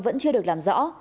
vẫn chưa được làm rõ